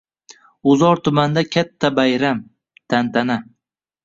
G‘uzor tumanida katta bayram, tantana